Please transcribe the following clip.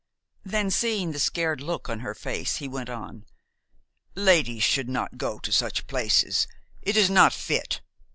Then, seeing the scared look on her face, he went on. "Ladies should not go to such places. It is not fit.